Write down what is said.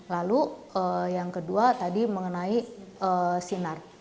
lalu yang kedua tadi mengenai sinar